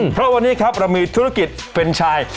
เพราะวันนี้ครับเรามีธุรกิจเป็นชาย